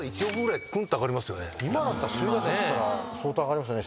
今だったら首位打者取ったら相当上がりますよね